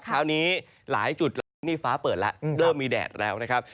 เช้านี้หลายจุดฟ้าเปิดแล้วเริ่มมีแดดแล้วนะครับ